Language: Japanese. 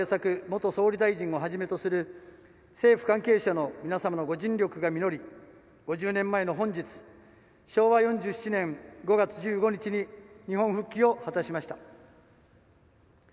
元総理大臣をはじめとする政府関係者の皆様の御尽力が実り５０年前の本日昭和４７年５月１５日に日本復帰を果たしました。